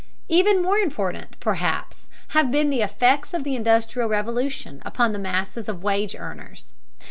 Even more important, perhaps, have been the effects of the Industrial Revolution upon the masses of wage earners.